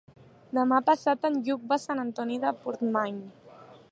Demà passat en Lluc va a Sant Antoni de Portmany.